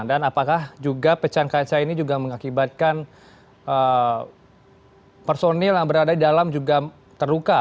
dan apakah juga pecahan kaca ini juga mengakibatkan personil yang berada di dalam juga terluka